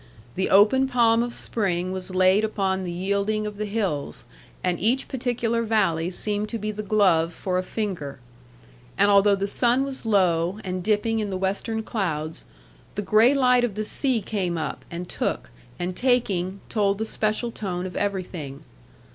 The open palm of spring was laid upon the yielding of the hills; and each particular valley seemed to be the glove for a finger. And although the sun was low, and dipping in the western clouds, the gray light of the sea came up, and took, and taking, told the special tone of everything.